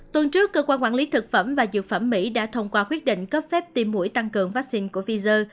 tuần trước cơ quan quản lý thực phẩm và dược phẩm mỹ đã thông qua quyết định cấp phép tiêm mũi tăng cường vaccine của pfizer